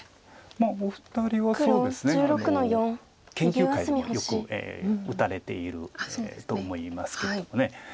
まあお二人は研究会でもよく打たれていると思いますけども。